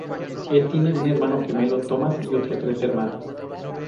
Él tiene un hermano gemelo, Thomas y otros tres hermanos.